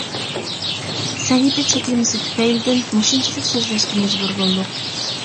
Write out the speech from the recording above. سەھىپە چەكلىمىسى تۈپەيلىدىن مۇشۇنچىلىك سۆزلەشكە مەجبۇر بولدۇق.